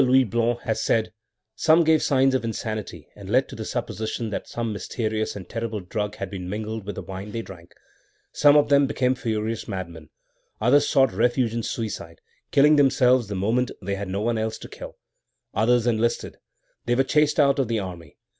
Louis Blanc has said, "some gave signs of insanity that led to the supposition that some mysterious and terrible drug had been mingled with the wine they drank." Some of them became furious madmen. Others sought refuge in suicide, killing themselves the moment they had no one else to kill. Others enlisted. They were chased out of the army.